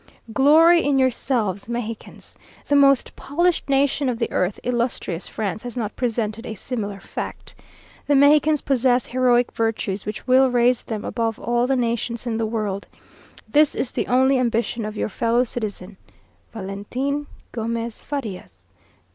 Glory in yourselves, Mexicans! The most polished nation of the earth, illustrious France, has not presented a similar fact. The Mexicans possess heroic virtues, which will raise them above all the nations in the world. This is the only ambition of your fellow citizen, "VALENTIN GOMEZ FARIAS.